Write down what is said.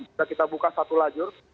sudah kita buka satu lajur